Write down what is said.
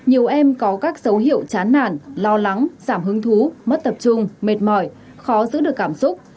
nhiều em có các dấu hiệu chán nản lo lắng giảm hứng thú mất tập trung mệt mỏi khó giữ được cảm xúc